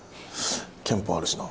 憲法あるしな。